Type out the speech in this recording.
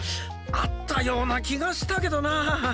あったようなきがしたけどなあ。